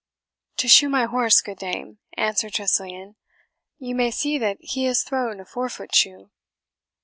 "To shoe my horse, good dame," answered Tressiliany; "you may see that he has thrown a fore foot shoe."